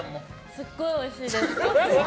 すごいおいしいです。